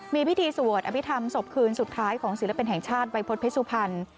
มีพิธีสวดอภิษฐรรมศพคืนสุดท้ายของศิลปินแห่งชาติวัยพฤษเพชสุพรรณ